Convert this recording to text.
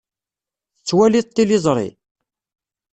Tettwaliḍ tiliẓri?